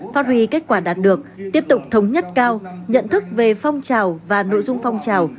phát huy kết quả đạt được tiếp tục thống nhất cao nhận thức về phong trào và nội dung phong trào